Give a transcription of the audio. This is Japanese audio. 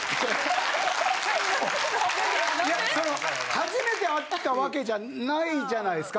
初めて会った訳じゃないじゃないですか。